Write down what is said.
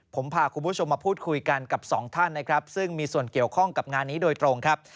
ผมพาคุณผู้ชมมาพูดคุยกันกับสองท่านนะครับซึ่งมีส่วนเกี่ยวข้องกับงานนี้โดยตรงครับ